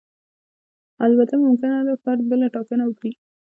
البته ممکنه ده فرد بله ټاکنه وکړي.